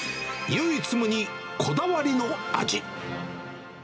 唯一無二こだわりの味。